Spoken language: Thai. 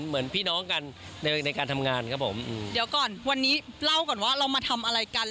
เหมือนพี่น้องกันในในการทำงานครับผมเดี๋ยวก่อนวันนี้เล่าก่อนว่าเรามาทำอะไรกัน